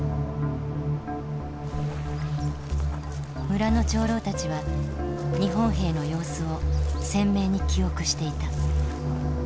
村の長老たちは日本兵の様子を鮮明に記憶していた。